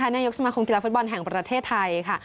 นายกสมาคมกีฬาฟุตบอลแห่งประเทศไทยค่ะ